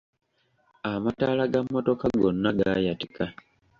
Amataala ga mmotoka gonna gaayatika.